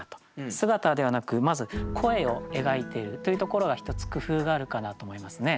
姿ではなくまず声を描いているというところが一つ工夫があるかなと思いますね。